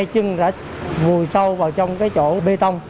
chân đã vùi sâu vào trong cái chỗ bê tông